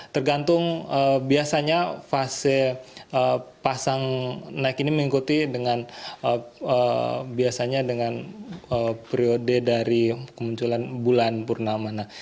tergantung biasanya fase pasang naik ini mengikuti dengan biasanya dengan periode dari kemunculan bulan purnama